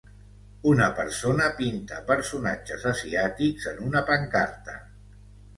Una persona pinta personatges asiàtics en una pancarta.